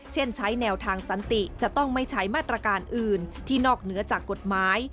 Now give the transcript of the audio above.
เช่นใช้แนวทางสันติจะต้องไม่ใช้มาตรการอื่นที่นอกเหนือจากกฎหมาย